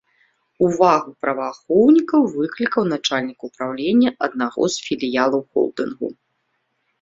Увагу праваахоўнікаў выклікаў начальнік упраўлення аднаго з філіялаў холдынгу.